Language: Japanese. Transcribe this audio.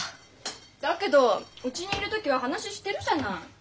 だけどうちにいる時は話してるじゃない。